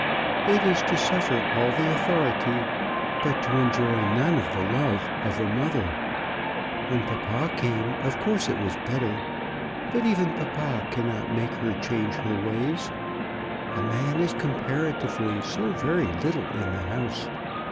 It is to suffer all the authority, but to enjoy none of the love of a mother. When papa came of course it was better; but even papa cannot make her change her ways. A man is comparatively so very little in the house.